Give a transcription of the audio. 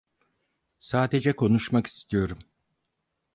Sadece konuşmak istiyorum.